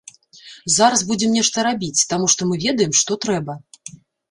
Зараз будзем нешта рабіць, таму што мы ведаем, што трэба.